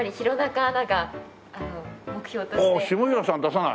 下平さん出さない？